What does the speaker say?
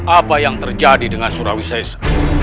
apa yang terjadi dengan surawisesa